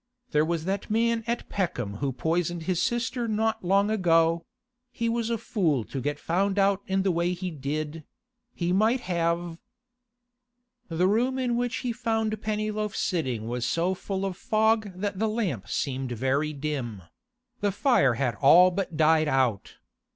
There was that man at Peckham who poisoned his sister not long ago; he was a fool to get found out in the way he did; he might have— The room in which he found Pennyloaf sitting was so full of fog that the lamp seemed very dim; the fire had all but died out.